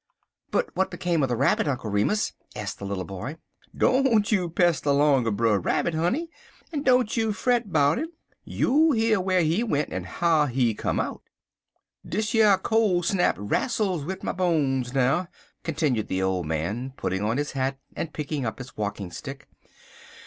"But what became of the Rabbit, Uncle Remus?" asked the little boy. "Don't you pester longer Brer Rabbit, honey, en don't you fret 'bout 'im. You'll year whar he went en how he come out. Dish yer col' snap rastles wid my bones, now," continued the old man, putting on his hat and picking up his walking stick.